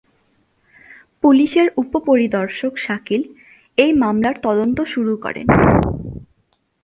পুলিশের উপ-পরিদর্শক শাকিল এই মামলার তদন্ত শুরু করেন।